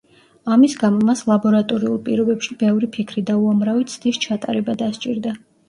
ამის გამო მას ლაბორატორიულ პირობებში ბევრი ფიქრი და უამრავი ცდის ჩატარება დასჭირდა.